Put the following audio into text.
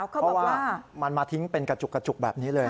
เพราะว่ามันมาทิ้งเป็นกระจุกกระจุกแบบนี้เลย